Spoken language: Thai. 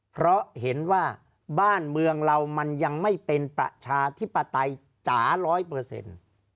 เพราะเห็นว่าบ้านเมืองเรามันยังไม่เป็นประชาธิปไตยจ๋าร้อยเปอร์เซ็นต์